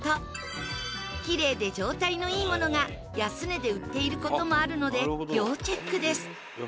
キレイで状態のいいものが安値で売っている事もあるので要チェックです。